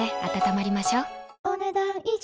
お、ねだん以上。